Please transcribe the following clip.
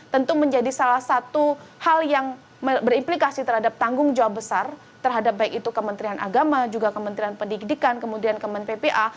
tentu menjadi salah satu hal yang berimplikasi terhadap tanggung jawab besar terhadap baik itu kementerian agama juga kementerian pendidikan kemudian kementerian ppa